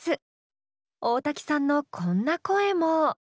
大瀧さんのこんな声も。